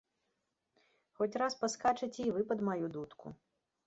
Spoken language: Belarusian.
Хоць раз паскачаце і вы пад маю дудку.